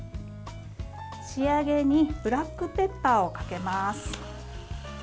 仕上げにブラックペッパーをかけます。